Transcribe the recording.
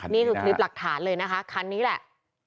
นี่คือคลิปหลักฐานเลยนะคะคันนี้แหละ